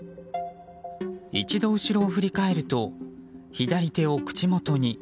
一度後ろを振り返ると左手を口元に。